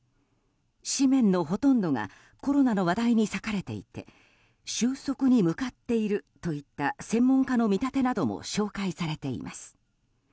紙面のほとんどがコロナの話題に割かれていて収束に向かっているといった専門家の見立てなども紹介されています。